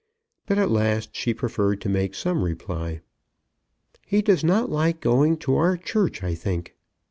But at last she preferred to make some reply. "He does not like going to our church, I think."